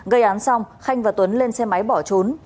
gây án xong khanh và tuấn lên xe máy bỏ trốn